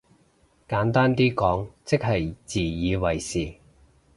簡單啲講即係自以為是？